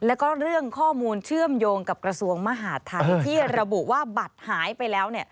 แล้วก็เรื่องข้อมูลเชื่อมโยงกับกระทรวงมหาดไทยที่ระบุว่าบัตรหายไปแล้ว